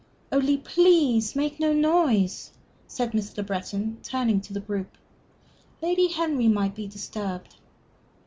"Only please make no noise!" said Miss Le Breton, turning to the group. "Lady Henry might be disturbed."